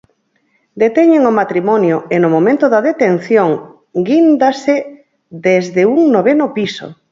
Deteñen o matrimonio e no momento da detención guíndase desde un noveno piso.